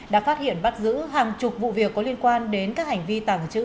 đã phát hiện bắt giữ hàng chục vụ việc có liên quan đến các hành vi tàng trữ